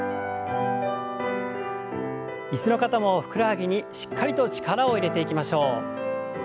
椅子の方もふくらはぎにしっかりと力を入れていきましょう。